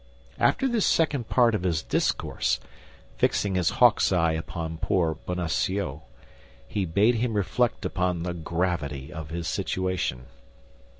After this second part of his discourse, fixing his hawk's eye upon poor Bonacieux, he bade him reflect upon the gravity of his situation.